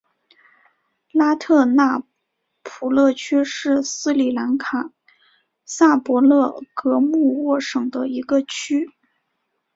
拉特纳普勒区是斯里兰卡萨伯勒格穆沃省的一个区。